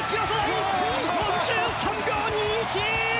１分４３秒２１！